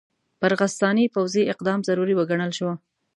پر غساني پوځي اقدام ضروري وګڼل شو.